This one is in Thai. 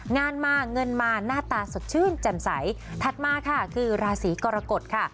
งานมาเงินมาหน้าตาสดชื่นแจ่มใสถัดมาค่ะคือราศีกรกฎค่ะ